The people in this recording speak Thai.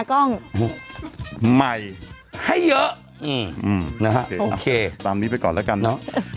กล้องใหม่ให้เยอะนะฮะเดี๋ยวโอเคตามนี้ไปก่อนแล้วกันเนอะ